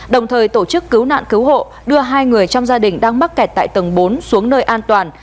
đồng thời tổ chức cứu nạn cứu hộ đưa hai người trong gia đình đang mắc kẹt tại tầng bốn xuống nơi an toàn